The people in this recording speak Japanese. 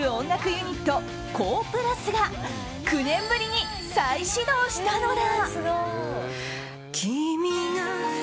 ユニットＫＯＨ＋が９年ぶりに再始動したのだ。